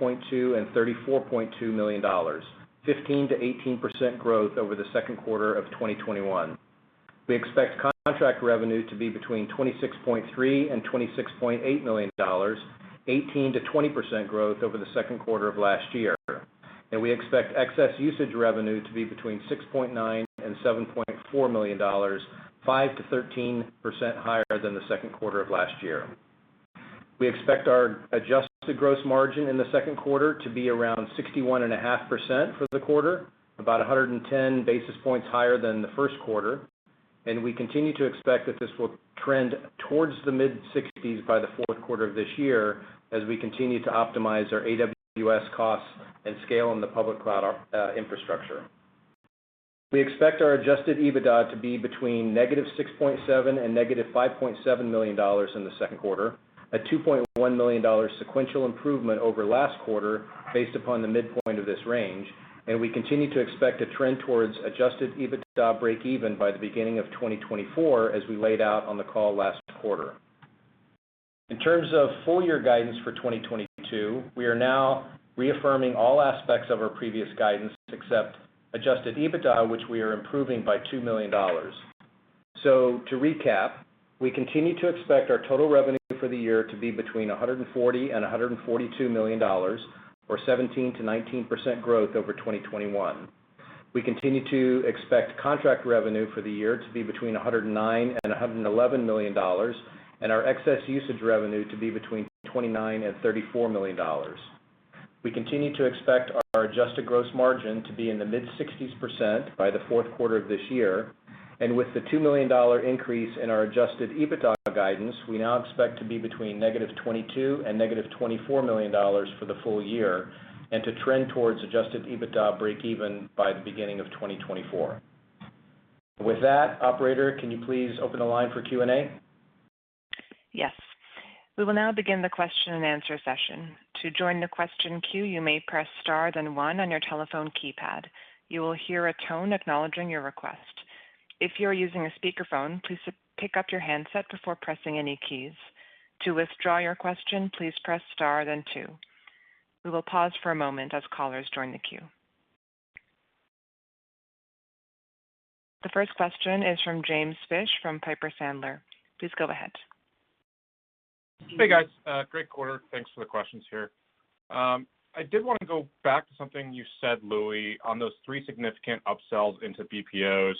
$34.2 million, 15%-18% growth over the second quarter of 2021. We expect contract revenue to be between $26.3 million-$26.8 million, 18%-20% growth over the second quarter of last year. We expect excess usage revenue to be between $6.9 million-$7.4 million, 5%-13% higher than the second quarter of last year. We expect our adjusted gross margin in the second quarter to be around 61.5% for the quarter, about 110 basis points higher than the first quarter, and we continue to expect that this will trend towards the mid-60s by the fourth quarter of this year as we continue to optimize our AWS costs and scale in the public cloud infrastructure. We expect our Adjusted EBITDA to be between -$6.7 million and -$5.7 million in the second quarter, a $2.1 million sequential improvement over last quarter based upon the midpoint of this range. We continue to expect a trend towards Adjusted EBITDA breakeven by the beginning of 2024, as we laid out on the call last quarter. In terms of full year guidance for 2022, we are now reaffirming all aspects of our previous guidance except Adjusted EBITDA, which we are improving by $2 million. To recap, we continue to expect our total revenue for the year to be between $140 million and $142 million, or 17%-19% growth over 2021. We continue to expect contract revenue for the year to be between $109 million and $111 million, and our excess usage revenue to be between $29 million and $34 million. We continue to expect our adjusted gross margin to be in the mid-60s% by the fourth quarter of this year. With the $2 million increase in our adjusted EBITDA guidance, we now expect to be between -$22 million and -$24 million for the full year, and to trend towards adjusted EBITDA breakeven by the beginning of 2024. With that, operator, can you please open the line for Q&A? Yes. We will now begin the question-and-answer session. To join the question queue, you may press star, then one on your telephone keypad. You will hear a tone acknowledging your request. If you are using a speakerphone, please pick up your handset before pressing any keys. To withdraw your question, please press star then two. We will pause for a moment as callers join the queue. The first question is from James Fish from Piper Sandler. Please go ahead. Hey, guys, great quarter. Thanks for the questions here. I did want to go back to something you said, Louis, on those three significant upsells into BPOs.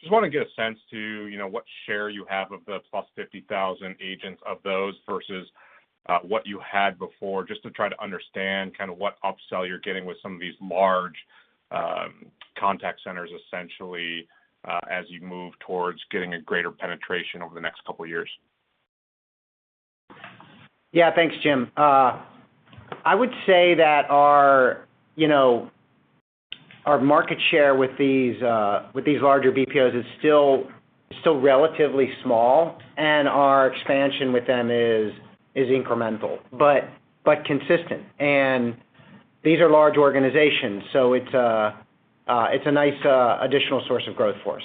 Just wanna get a sense of, you know, what share you have of the plus 50,000 agents of those versus what you had before, just to try to understand kind of what upsell you're getting with some of these large contact centers, essentially, as you move towards getting a greater penetration over the next couple years. Yeah. Thanks, James. I would say that our, you know, our market share with these larger BPOs is still relatively small, and our expansion with them is incremental, but consistent. These are large organizations, so it's a nice additional source of growth for us.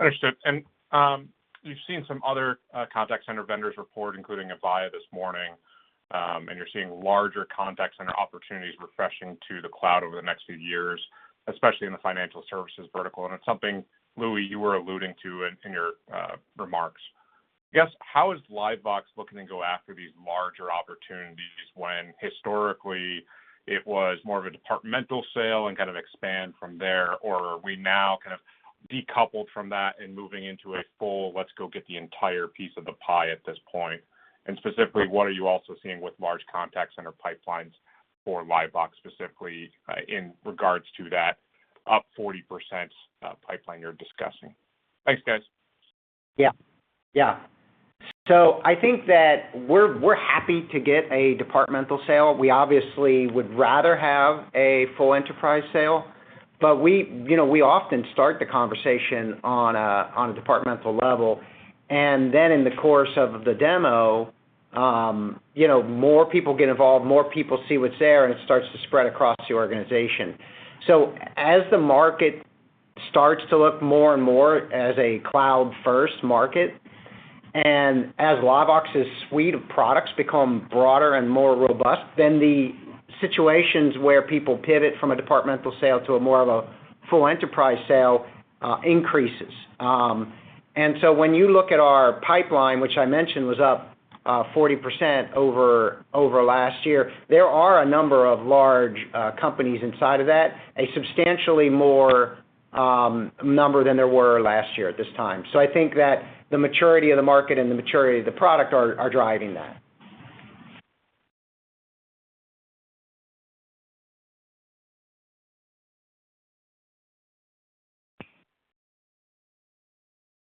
Understood. We've seen some other contact center vendors report, including Avaya this morning, and you're seeing larger contact center opportunities refreshing to the cloud over the next few years, especially in the financial services vertical. It's something, Louis, you were alluding to in your remarks. I guess, how is LiveVox looking to go after these larger opportunities when historically it was more of a departmental sale and kind of expand from there? Or are we now kind of decoupled from that and moving into a full let's go get the entire piece of the pie at this point? Specifically, what are you also seeing with large contact center pipelines for LiveVox specifically, in regards to that up 40% pipeline you're discussing? Thanks, guys. Yeah. Yeah. I think that we're happy to get a departmental sale. We obviously would rather have a full enterprise sale, but we, you know, we often start the conversation on a departmental level, and then in the course of the demo, you know, more people get involved, more people see what's there, and it starts to spread across the organization. As the market starts to look more and more as a cloud-first market and as LiveVox's suite of products become broader and more robust, then the situations where people pivot from a departmental sale to a more of a full enterprise sale increases. When you look at our pipeline, which I mentioned was up 40% over last year, there are a number of large companies inside of that, a substantially more number than there were last year at this time. I think that the maturity of the market and the maturity of the product are driving that.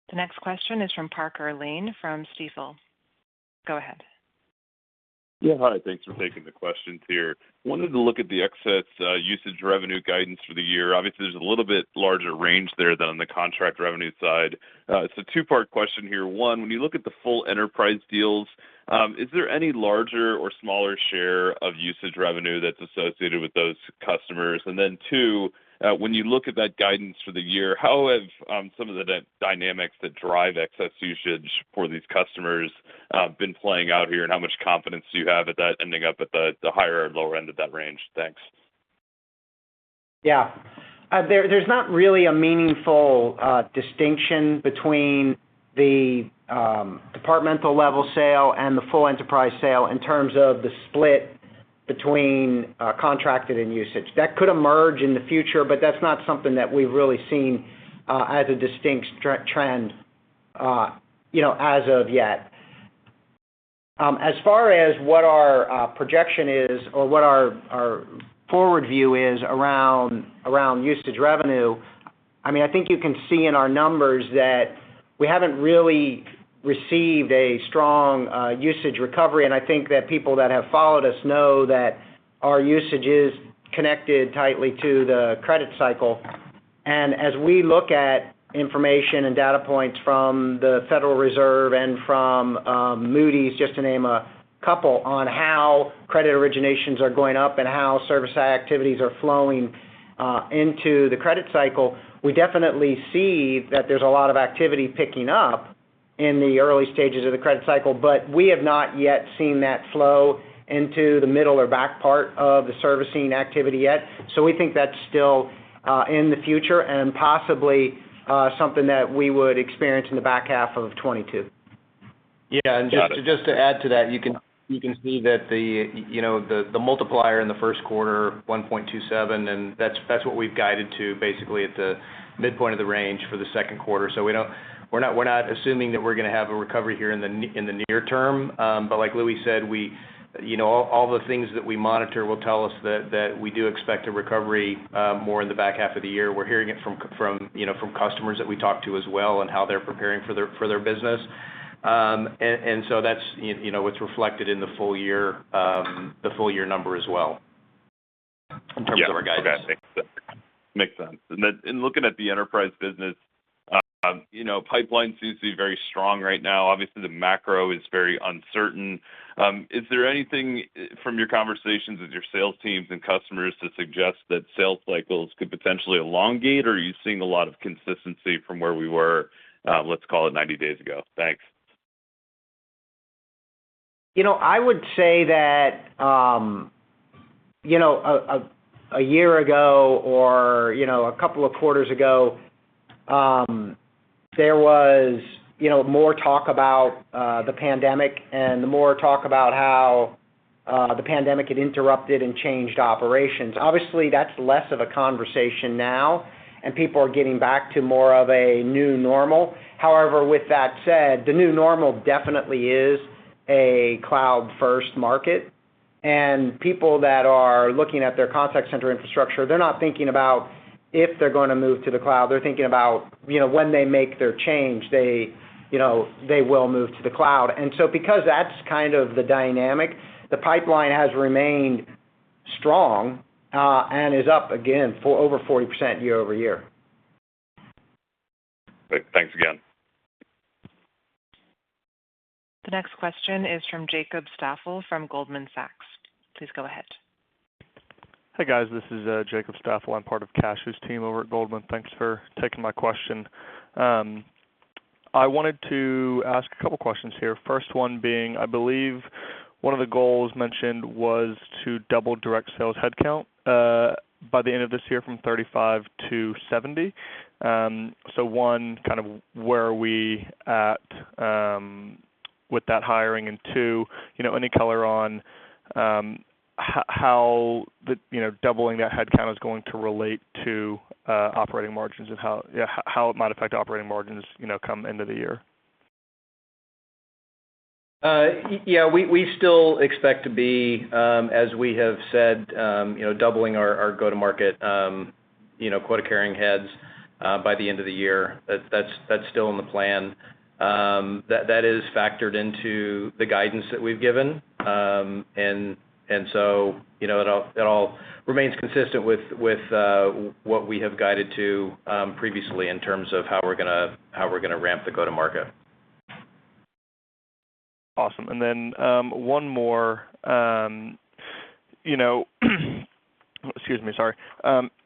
The next question is from Parker Lane from Stifel. Go ahead. Yeah, hi. Thanks for taking the questions here. Wanted to look at the excess usage revenue guidance for the year. Obviously, there's a little bit larger range there than on the contract revenue side. It's a two-part question here. One, when you look at the full enterprise deals, is there any larger or smaller share of usage revenue that's associated with those customers? And then two, when you look at that guidance for the year, how have some of the dynamics that drive excess usage for these customers been playing out here, and how much confidence do you have at that ending up at the higher or lower end of that range? Thanks. Yeah. There's not really a meaningful distinction between the departmental level sale and the full enterprise sale in terms of the split between contracted and usage. That could emerge in the future, but that's not something that we've really seen as a distinct trend, you know, as of yet. As far as what our projection is or what our forward view is around usage revenue, I mean, I think you can see in our numbers that we haven't really received a strong usage recovery. I think that people that have followed us know that our usage is connected tightly to the credit cycle. As we look at information and data points from the Federal Reserve and from Moody's, just to name a couple, on how credit originations are going up and how service activities are flowing into the credit cycle, we definitely see that there's a lot of activity picking up in the early stages of the credit cycle, but we have not yet seen that flow into the middle or back part of the servicing activity yet. We think that's still in the future and possibly something that we would experience in the back half of 2022. Yeah. Just to add to that, you can see that, you know, the multiplier in the first quarter, 1.27x, and that's what we've guided to basically at the midpoint of the range for the second quarter. We're not assuming that we're gonna have a recovery here in the near term. Like Louis said, you know, all the things that we monitor will tell us that we do expect a recovery more in the back half of the year. We're hearing it from, you know, from customers that we talk to as well, on how they're preparing for their business. That's, you know, it's reflected in the full year number as well in terms of our guidance. Yeah. Okay. Makes sense. In looking at the enterprise business, you know, pipeline seems to be very strong right now. Obviously, the macro is very uncertain. Is there anything from your conversations with your sales teams and customers to suggest that sales cycles could potentially elongate, or are you seeing a lot of consistency from where we were, let's call it 90 days ago? Thanks. You know, I would say that a year ago or a couple of quarters ago, there was more talk about the pandemic and more talk about how the pandemic had interrupted and changed operations. Obviously, that's less of a conversation now, and people are getting back to more of a new normal. However, with that said, the new normal definitely is a cloud-first market. People that are looking at their contact center infrastructure, they're not thinking about if they're gonna move to the cloud. They're thinking about, you know, when they make their change, they, you know, they will move to the cloud. Because that's kind of the dynamic, the pipeline has remained strong, and is up again for over 40% year-over-year. Great. Thanks again. The next question is from Jacob Staffel from Goldman Sachs. Please go ahead. Hey, guys. This is Jacob Staffel. I'm part of Kash's team over at Goldman. Thanks for taking my question. I wanted to ask a couple questions here. First one being, I believe one of the goals mentioned was to double direct sales headcount by the end of this year from 35-70. One, kind of where are we at with that hiring? And two, you know, any color on how the, you know, doubling that headcount is going to relate to operating margins and how it might affect operating margins, you know, come end of the year? Yeah. We still expect to be, as we have said, you know, doubling our go-to-market, you know, quota-carrying heads, by the end of the year. That's still in the plan. That is factored into the guidance that we've given. You know, it all remains consistent with what we have guided to, previously in terms of how we're gonna ramp the go-to-market. Awesome. Then, one more. You know, excuse me. Sorry.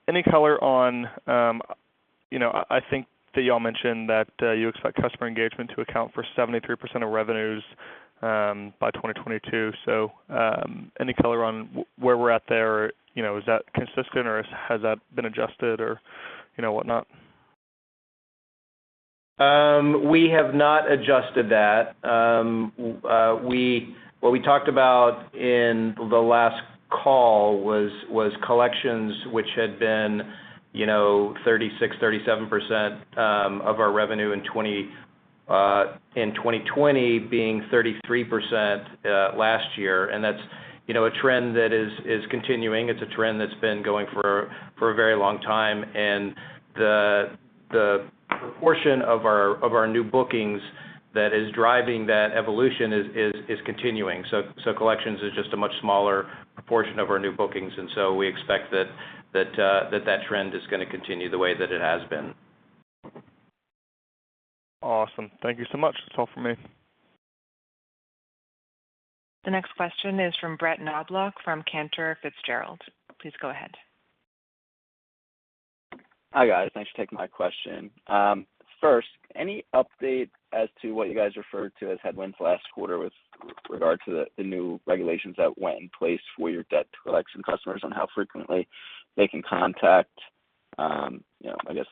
Any color on, you know, I think that y'all mentioned that you expect customer engagement to account for 73% of revenues by 2022. Any color on where we're at there? You know, is that consistent, or has that been adjusted or, you know, whatnot? We have not adjusted that. What we talked about in the last call was collections, which had been, you know, 36%, 37% of our revenue in 2020, being 33% last year. That's, you know, a trend that is continuing. It's a trend that's been going for a very long time. The proportion of our new bookings that is driving that evolution is continuing. Collections is just a much smaller proportion of our new bookings. We expect that that trend is gonna continue the way that it has been. Awesome. Thank you so much. That's all for me. The next question is from Brett Knoblauch from Cantor Fitzgerald. Please go ahead. Hi, guys. Thanks for taking my question. First, any update as to what you guys referred to as headwinds last quarter with regard to the new regulations that went in place for your debt collection customers on how frequently they can contact, you know, I guess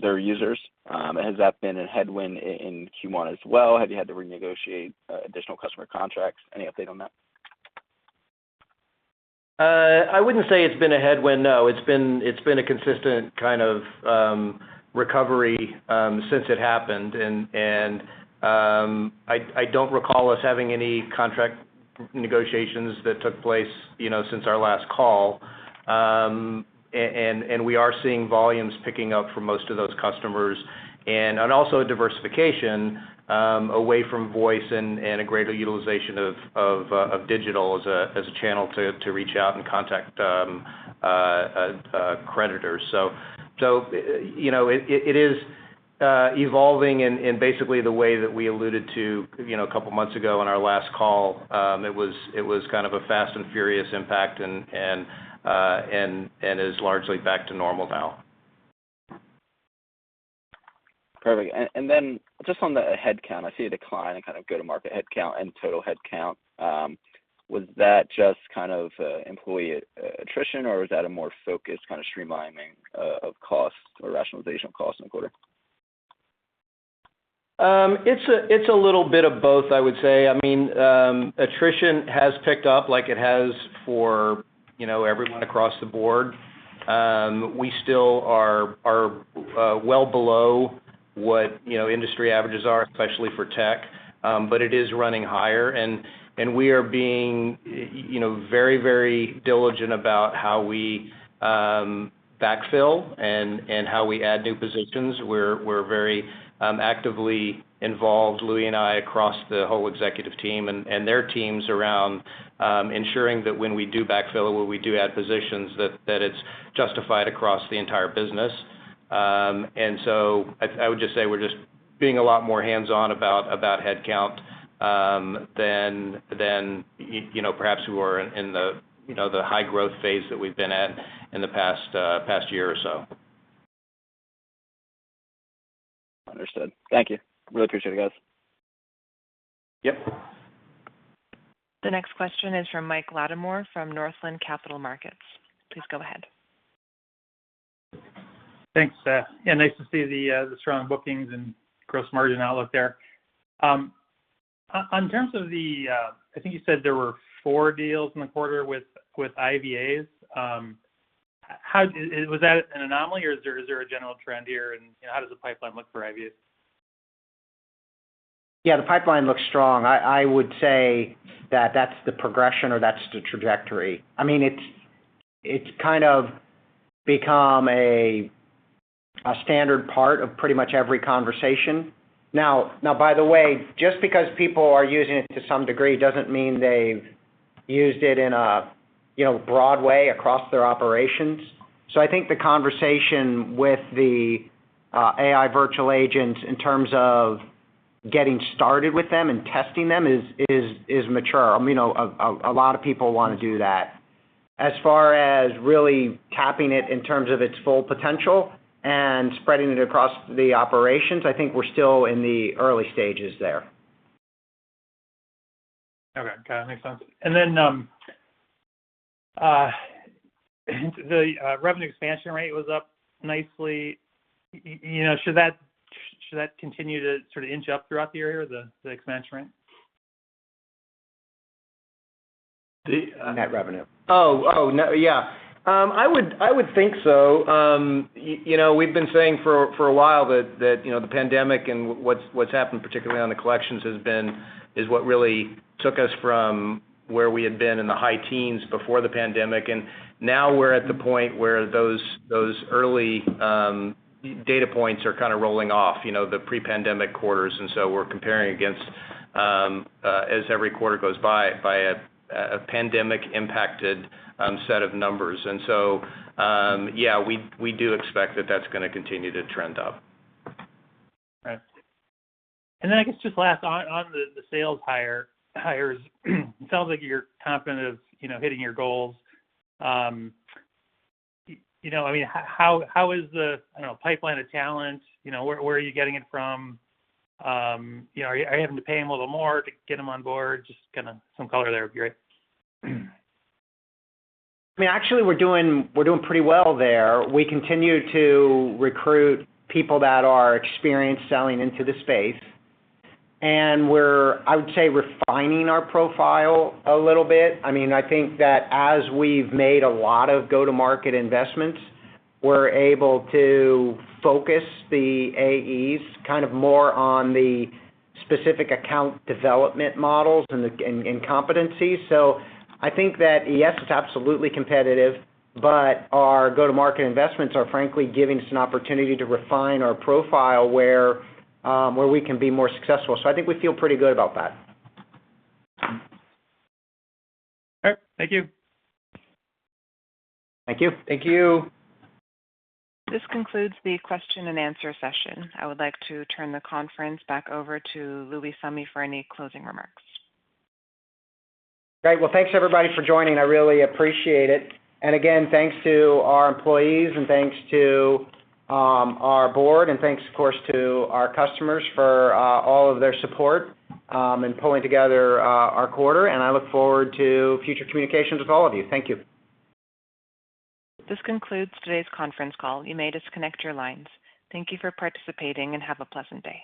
their users? Has that been a headwind in Q1 as well? Have you had to renegotiate additional customer contracts? Any update on that? I wouldn't say it's been a headwind, no. It's been a consistent kind of recovery since it happened and I don't recall us having any contract negotiations that took place, you know, since our last call. We are seeing volumes picking up for most of those customers and also a diversification away from voice and a greater utilization of digital as a channel to reach out and contact a creditor. You know, it is evolving in basically the way that we alluded to, you know, a couple of months ago on our last call. It was kind of a fast and furious impact and is largely back to normal now. Perfect. Just on the headcount, I see a decline in kind of go-to-market headcount and total headcount. Was that just kind of employee attrition, or was that a more focused kind of streamlining of costs or rationalization of costs in the quarter? It's a little bit of both, I would say. I mean, attrition has picked up like it has for, you know, everyone across the board. We still are well below what, you know, industry averages are, especially for tech, but it is running higher. We are being, you know, very diligent about how we backfill and how we add new positions. We're very actively involved, Louis and I, across the whole executive team and their teams around ensuring that when we do backfill or when we do add positions that it's justified across the entire business. I would just say we're just being a lot more hands-on about headcount than you know, perhaps we were in the you know, the high growth phase that we've been at in the past year or so. Understood. Thank you. Really appreciate it, guys. Yep. The next question is from Mike Latimore from Northland Capital Markets. Please go ahead. Thanks, Louis. Yeah, nice to see the strong bookings and gross margin outlook there. In terms of the, I think you said there were four deals in the quarter with IVAs. Was that an anomaly, or is there a general trend here? You know, how does the pipeline look for IVAs? Yeah, the pipeline looks strong. I would say that that's the progression or that's the trajectory. I mean, it's kind of become a standard part of pretty much every conversation. Now, by the way, just because people are using it to some degree doesn't mean they've used it in a you know, broad way across their operations. So I think the conversation with the AI virtual agents in terms of getting started with them and testing them is mature. You know, a lot of people wanna do that. As far as really tapping it in terms of its full potential and spreading it across the operations, I think we're still in the early stages there. Okay. Got it. Makes sense. The revenue expansion rate was up nicely. You know, should that continue to sort of inch up throughout the year, the expansion rate? The- Net revenue. Yeah. I would think so. You know, we've been saying for a while that you know, the pandemic and what's happened particularly on the collections is what really took us from where we had been in the high teens before the pandemic. Now we're at the point where those early data points are kind of rolling off you know, the pre-pandemic quarters. We're comparing against as every quarter goes by a pandemic impacted set of numbers. Yeah, we do expect that that's gonna continue to trend up. All right. I guess just last on the sales hires, it sounds like you're confident of, you know, hitting your goals. You know, I mean, how is the, I don't know, pipeline of talent? You know, where are you getting it from? You know, are you having to pay them a little more to get them on board? Just kinda some color there would be great. I mean, actually, we're doing pretty well there. We continue to recruit people that are experienced selling into the space. We're refining our profile a little bit, I would say. I mean, I think that as we've made a lot of go-to-market investments, we're able to focus the AEs kind of more on the specific account development models and the competencies. I think that, yes, it's absolutely competitive, but our go-to-market investments are frankly giving us an opportunity to refine our profile where we can be more successful. I think we feel pretty good about that. All right. Thank you. Thank you. Thank you. This concludes the question and answer session. I would like to turn the conference back over to Louis Summe for any closing remarks. Great. Well, thanks everybody for joining. I really appreciate it. Again, thanks to our employees and thanks to our board and thanks, of course, to our customers for all of their support in pulling together our quarter, and I look forward to future communications with all of you. Thank you. This concludes today's conference call. You may disconnect your lines. Thank you for participating, and have a pleasant day.